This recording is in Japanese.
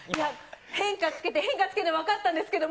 変化つけて、変化つけて分かったんですけど